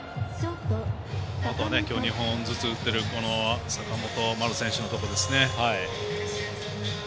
あとは今日、２本ずつ打ってる坂本、丸選手のところですね。